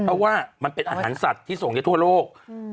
เพราะว่าอาหารสัตว์ที่ส่งทั้งในทั่วโลก